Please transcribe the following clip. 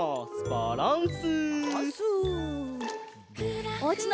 バランス！